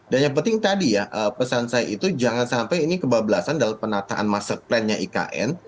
dan yang penting tadi ya pesan saya itu jangan sampai ini kebablasan dalam penataan master plan nya ikn